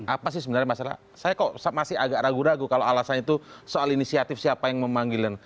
apa sih sebenarnya masalah saya kok masih agak ragu ragu kalau alasannya itu soal inisiatif siapa yang memanggil dan